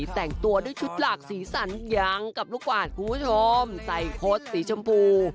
แต่งตัวด้วยชุดหลากสีสันยังกับลูกหวานคุณผู้ชมใส่โค้ดสีชมพู